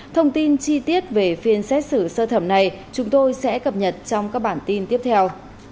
thông tin chi tiết về phiên xét xử sơ thẩm này chúng tôi sẽ cập nhật trong các bản tin tiếp theo